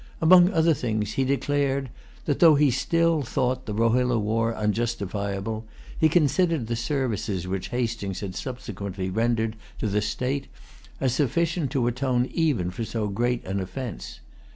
Among other things, he declared that, though he still thought the Rohilla war unjustifiable, he considered the services which Hastings had subsequently rendered to the state as sufficient to atone even for so great an offence.